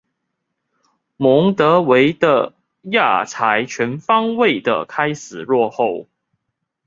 蒙得维的亚才全方位的开始落后。